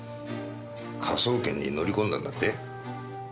科捜研に乗り込んだんだって？